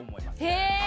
へえ！